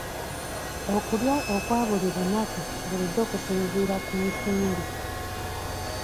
Okulya okwa buli lunaku bulijjo kusinziira ku nsimbi.